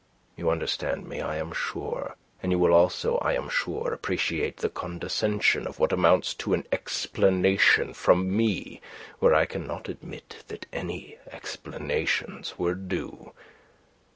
You understand me, I am sure, and you will also, I am sure, appreciate the condescension of what amounts to an explanation from me where I cannot admit that any explanations were due.